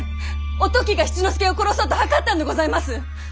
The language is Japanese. おトキが七之助を殺そうと謀ったんでございます！